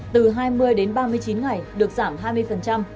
từ hai mươi đến ba mươi chín ngày được giảm hai mươi